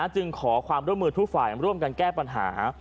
จึงขอความร่วมมือทุกฝ่ายร่วมกันแก้ปัญหา